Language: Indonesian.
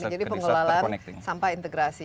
jadi pengelolaan sampah integrasi